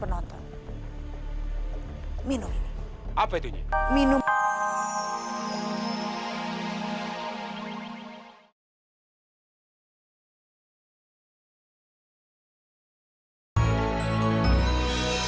bagaimana kalian mau menarik perhatian penonton